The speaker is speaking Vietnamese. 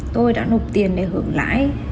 tôi đã nộp tiền để hưởng lãi